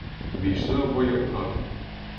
Ввійшли обоє у хату.